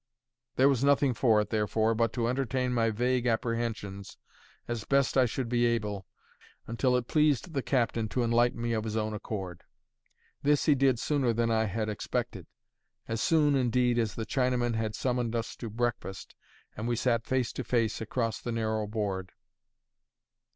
There was nothing for it, therefore, but to entertain my vague apprehensions as best I should be able, until it pleased the captain to enlighten me of his own accord. This he did sooner than I had expected; as soon, indeed, as the Chinaman had summoned us to breakfast, and we sat face to face across the narrow board.